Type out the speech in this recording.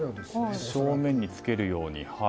正面につけるように。